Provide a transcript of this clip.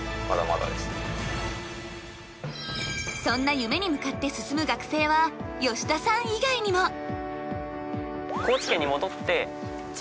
そんな夢に向かって進む学生は吉田さん以外にも。